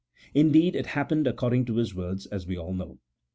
" Indeed, it happened according to his words, as we all know.